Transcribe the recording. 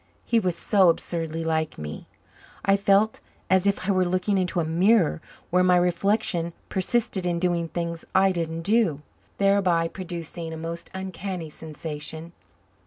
He was so absurdly like me. I felt as if I were looking into a mirror where my reflection persisted in doing things I didn't do, thereby producing a most uncanny sensation.